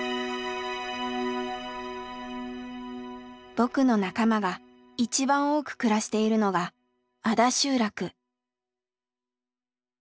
僕の仲間が一番多く暮らしているのが安田集落。